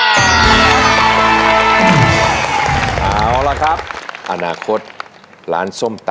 เอาล่ะครับอนาคตร้านส้มตำ